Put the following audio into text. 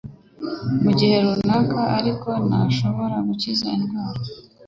mu gihe runaka, ariko ntishobore gukiza indwara.